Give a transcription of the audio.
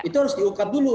itu harus diungkap dulu